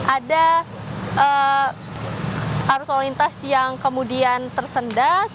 ada arus olintas yang kemudian tersendat